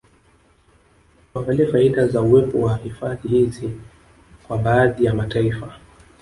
Tuangalie faida za uwepo wa hifadhi hizi kwa baadhi ya mataifa